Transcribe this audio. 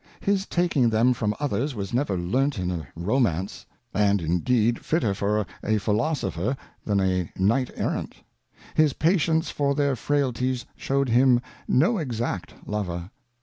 His taking them from others was never learnt in a Romance ; and indeed fitter for a Philosopher than a Knight Errant. His Patience for their Frailties shewed him no exact Lover.